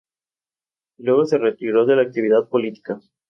Es diurno y se alimenta de frutas.